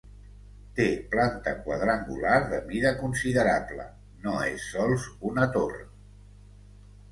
Té planta quadrangular de mida considerable, no és sols una torre.